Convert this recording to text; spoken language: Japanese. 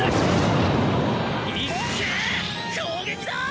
攻撃だ！